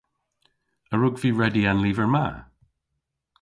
A wrug vy redya an lyver ma?